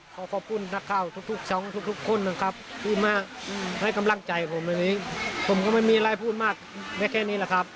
ขอขอบคุณนักข่าวทุกช่องทุกคนนะครับพูดมากให้กำลังใจผมในนี้ผมก็ไม่มีอะไรพูดมากได้แค่นี้แหละครับ